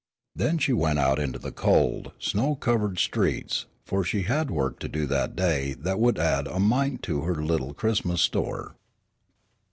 Then she went out into the cold, snow covered streets, for she had work to do that day that would add a mite to her little Christmas store.